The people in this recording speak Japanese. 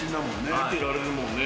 待っていられるもんね。